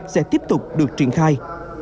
sẽ tiếp tục được triển khai